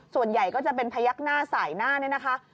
ส่วนใหญ่ก็จะเป็นพยักหน้าสายหน้านี่นะคะ